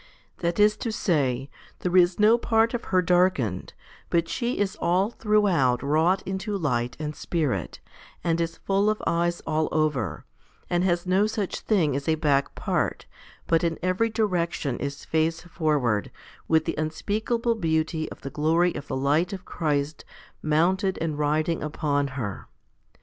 That is to say, there is no part of her darkened, but she is all throughout wrought into light and spirit, and is full of eyes all over, and has no such thing as a back part, but in every direction is face forward, with the unspeakable beauty of the glory of the light of Christ mounted and riding upon her.